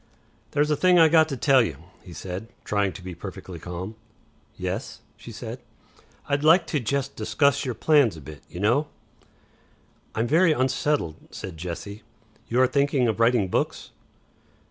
"There's a thing I got to tell you," he said, trying to be perfectly calm. "Yes?" she said. "I'd like to jest discuss your plans a bit, y'know." "I'm very unsettled," said Jessie. "You are thinking of writing Books?"